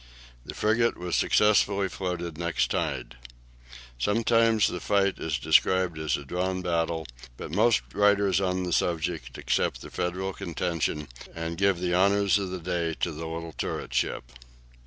The frigate was successfully floated next tide. Sometimes the fight is described as a drawn battle, but most writers on the subject accept the Federal contention, and give the honours of the day to the little turret ship.